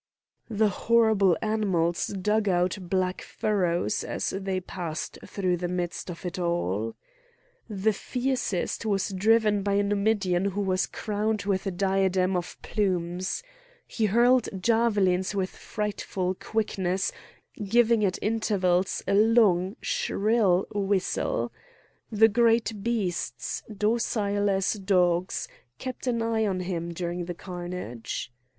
The horrible animals dug out black furrows as they passed through the midst of it all. The fiercest was driven by a Numidian who was crowned with a diadem of plumes. He hurled javelins with frightful quickness, giving at intervals a long shrill whistle. The great beasts, docile as dogs, kept an eye on him during the carnage.